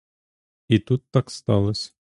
І тут так сталось.